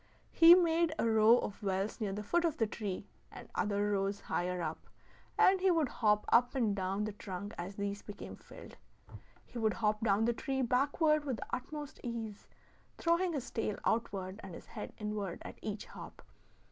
He made a row of wells near the foot of the tree, and other rows higher up, and he would hop up and down the trunk as these became filled. He would hop down the tree backward with the utmost ease, throwing his tail outward and his head inward at each hop.